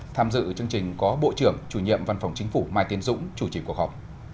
tham dự chương trình có bộ trưởng chủ nhiệm văn phòng chính phủ mai tiến dũng chủ trì cuộc họp